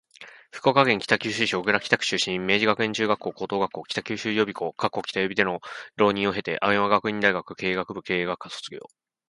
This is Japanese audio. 福岡県北九州市小倉北区出身。明治学園中学校・高等学校、北九州予備校（北予備）での浪人を経て、青山学院大学経営学部経営学科卒業